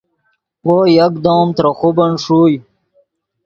وو یکدم ترے خوبن ݰوئے